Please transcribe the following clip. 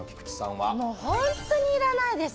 もう本当にいらないです。